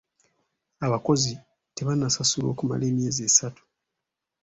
Abakozi tebannasasulwa okumala emyezi esatu.